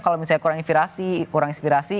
kalau misalnya kurang inspirasi